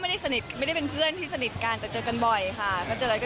ไม่ได้เสมือเพื่อนเกี่ยวกันแต่เจอกันบ่อยค่ะ